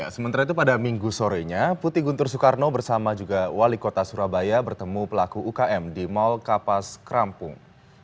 sementara itu pada minggu sorenya putih guntur soekarno bersama juga wali kota surabaya bertemu pelaku ukm di mall kapas krampung